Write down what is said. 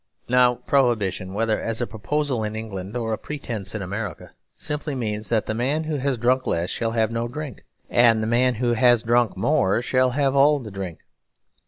Now Prohibition, whether as a proposal in England or a pretence in America, simply means that the man who has drunk less shall have no drink, and the man who has drunk more shall have all the drink.